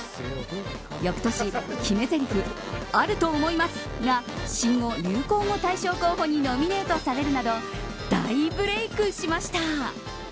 翌年、決めぜりふ「あると思います」が新語・流行語大賞候補にノミネートされるなど大ブレークしました。